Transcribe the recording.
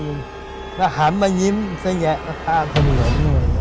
แล้วหันมายิ้มสะแยะแล้วท่าทะเบียน